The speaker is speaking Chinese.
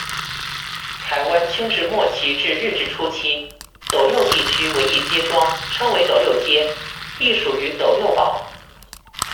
台湾清治末期至日治初期，斗六地区为一街庄，称为「斗六街」，隶属于斗六堡。